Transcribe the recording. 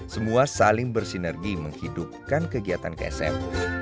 semua saling bersinergi menghidupkan kegiatan ksm